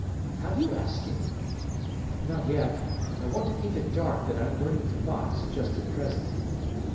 "Have you asked him?" "Not yet. I want to keep it dark that I'm learning to box, just at present."